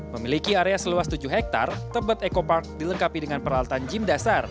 memiliki area seluas tujuh hektare tebet eco park dilengkapi dengan peralatan gym dasar